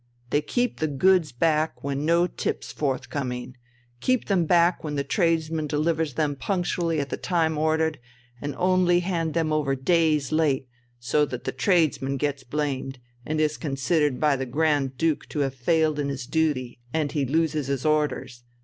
They keep the goods back when no tip's forthcoming, keep them back when the tradesman delivers them punctually at the time ordered, and only hand them over days late, so that the tradesman gets blamed, and is considered by the Grand Duke to have failed in his duty and he loses his orders.